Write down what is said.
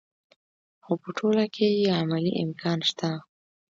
خو په ټوله کې یې عملي امکان شته.